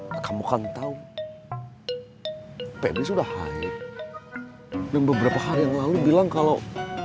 wah kamu kan tau pebis udah hype dan beberapa hari yang lalu bilang kalau